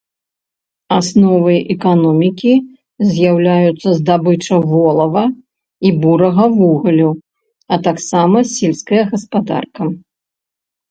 Асновай эканомікі з'яўляюцца здабыча волава і бурага вугалю, а таксама сельская гаспадарка.